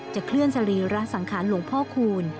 เคลื่อนสรีระสังขารหลวงพ่อคูณ